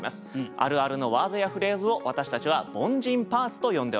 あるあるのワードやフレーズを私たちは「凡人パーツ」と呼んでおります。